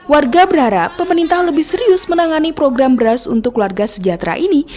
warga berharap pemerintah lebih serius menangani program beras untuk warga sejahtera ini